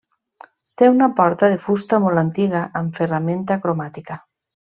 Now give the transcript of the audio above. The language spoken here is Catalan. Té una porta de fusta molt antiga, amb ferramenta cromàtica.